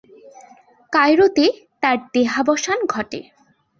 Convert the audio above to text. কায়রোতে তার দেহাবসান ঘটে।